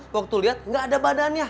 waktu liat gak ada badannya